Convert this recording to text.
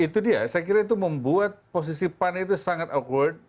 itu dia saya kira itu membuat posisi pan itu sangat award